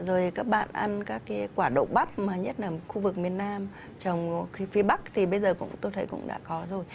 rồi các bạn ăn các cái quả đậu bắp mà nhất là khu vực miền nam trồng phía bắc thì bây giờ tôi thấy cũng đã có rồi